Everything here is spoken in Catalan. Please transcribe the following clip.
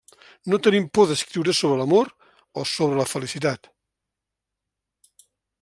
No tenim por d'escriure sobre l'amor o sobre la felicitat.